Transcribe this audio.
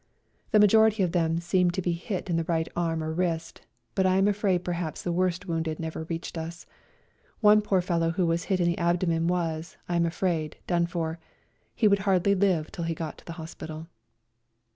The majority of them seemed to be hit in the right arm or wrist, but I am afraid perhaps the worst wounded never reached us. One poor fellow who was hit in the abdomen was, I am afraid, done for ; he would hardly live till he got to the hospital.